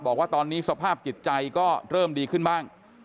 บอกว่าตอนนี้สภาพจิตใจก็เริ่มดีขึ้นบ้าง